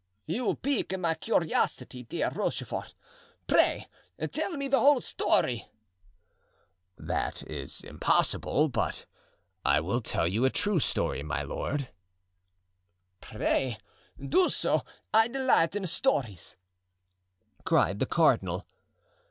"You pique my curiosity, dear Rochefort; pray tell me the whole story." "That is impossible; but I will tell you a true story, my lord." "Pray do so, I delight in stories," cried the cardinal.